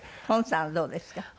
今さんはどうですか？